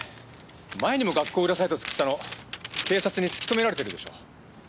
前にも学校裏サイト作ったの警察に突き止められてるでしょ。